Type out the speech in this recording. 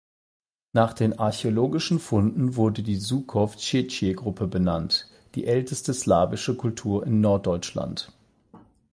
Nach den archäologischen Funden wurde die Sukow-Dziedzice-Gruppe benannt, die älteste slawische Kultur in Norddeutschland.